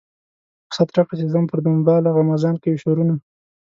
رخصت راکړه چې ځم پر دنباله غمازان کوي شورونه.